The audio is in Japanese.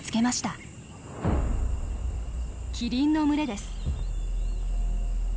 キリンの群れです。